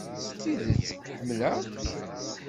Deg tidet, ḥemmleɣ-k.